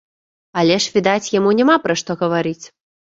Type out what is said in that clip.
Але ж, відаць, яму няма пра што гаварыць.